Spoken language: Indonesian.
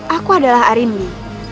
aku adalah arindi